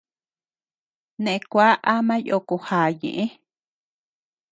Ne kuá am yoko já ñeʼe.